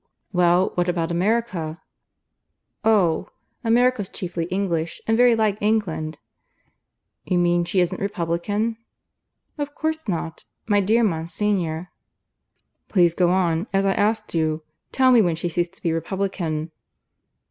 "Well, what about America?" "Oh! America's chiefly English; and very like England." "You mean she isn't republican?" "Of course not. My dear Monsignor " "Please go on, as I asked you. Tell me when she ceased to be republican."